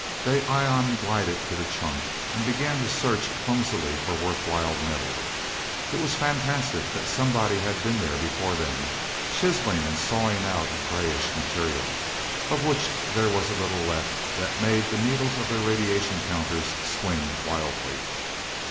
They ion glided to the chunk, and began to search clumsily for worthwhile metal. It was fantastic that somebody had been there before them, chiselling and sawing out a greyish material, of which there was a little left that made the needles of their radiation counters swing wildly.